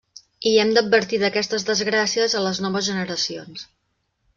I hem d'advertir d'aquestes desgràcies a les noves generacions.